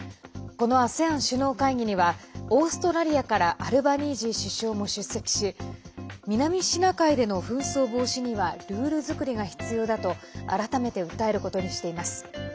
このＡＳＥＡＮ首脳会議にはオーストラリアからアルバニージー首相も出席し南シナ海での紛争防止にはルール作りが必要だと改めて訴えることにしています。